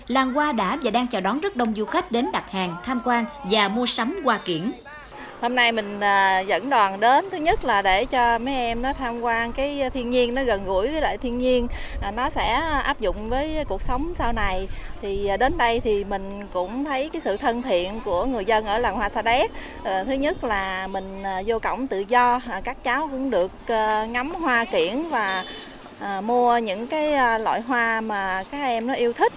làng hoa đã và đang chào đón rất đông du khách đến đặt hàng tham quan và mua sắm hoa kiển